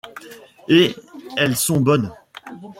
Et elles sont bonnes